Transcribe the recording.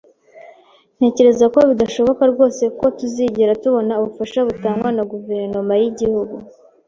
Ntekereza ko bidashoboka rwose ko tuzigera tubona ubufasha butangwa na guverinoma y'igihugu